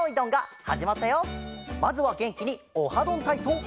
まずはげんきに「オハどんたいそう」。